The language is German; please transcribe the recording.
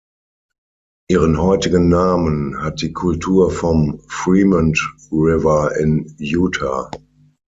Ihren heutigen Namen hat die Kultur vom Fremont River in Utah.